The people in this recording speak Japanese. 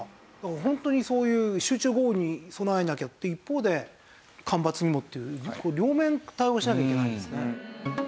ホントにそういう集中豪雨に備えなきゃって一方で干ばつにもっていう両面対応しなきゃいけないんですね。